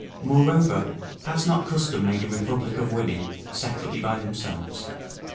Moreover, has not custom made a republic of women separately by themselves?